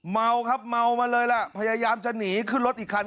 เมาครับเมามาเลยล่ะพยายามจะหนีขึ้นรถอีกคัน